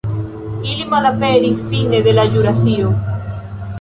Ili malaperis fine de la ĵurasio.